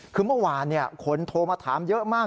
คือเมื่อวานคนโทรมาถามเยอะมาก